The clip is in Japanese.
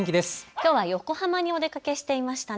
きょうは横浜にお出かけしていましたね。